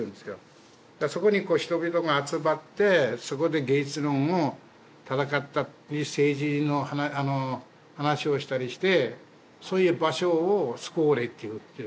「だからそこに人々が集まってそこで芸術論を戦ったり政治の話をしたりしてそういう場所を“スコーレ”って言うっていう」